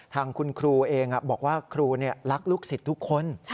ทางคุณครูเองบอกว่าครูรักลูกศิษย์ทุกคน